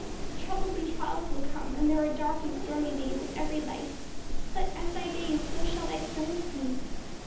"Troubles and trials will come and there are dark and stormy days in every life but 'as thy days so shall thy strength be.'